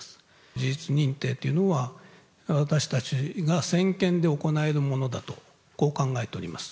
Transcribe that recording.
事実認定というのは私たちが専権で行えるものだと、こう考えております。